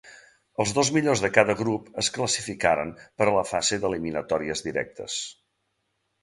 Els dos millors de cada grup es classificaren per a la fase d'eliminatòries directes.